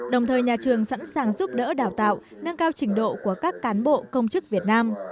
đồng thời nhà trường sẵn sàng giúp đỡ đào tạo nâng cao trình độ của các cán bộ công chức việt nam